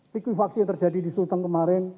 likuifaksi yang terjadi di sultan kemarin